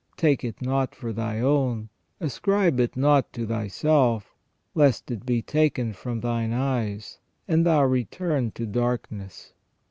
Take it not for thy own ; ascribe it not to thyself, lest it be taken from thine eyes, and thou teturn to darkness.